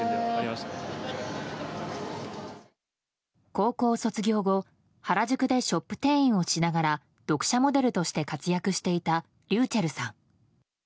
高校卒業後原宿でショップ店員をしながら読者モデルとして活躍していたｒｙｕｃｈｅｌｌさん。